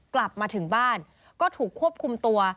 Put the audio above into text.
กลับมาถึงบ้านก็ถูกควบคุมตัว